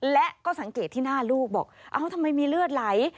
และก็สังเกตที่หน้าลูกบอกเอ้าทำไมมีเลือดไหล